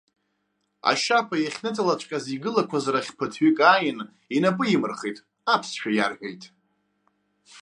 Ашьаԥа иахьныҵалаҵәҟьаз игылақәаз рахь ԥыҭҩык ааин, инапы имырхит, аԥсшәа иарҳәеит.